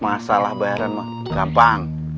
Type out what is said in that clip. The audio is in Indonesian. masalah bayaranmu gampang